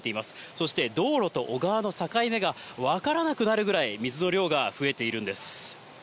そして、道路と小川の境目が分からなくなるぐらい、水の量が増えているんです。